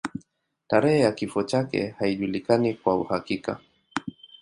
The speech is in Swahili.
Tarehe ya kifo chake haijulikani kwa uhakika.